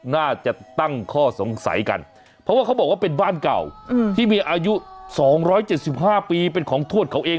น่าจะตั้งข้อสงสัยกันเพราะว่าเขาบอกว่าเป็นบ้านเก่าที่มีอายุ๒๗๕ปีเป็นของทวดเขาเอง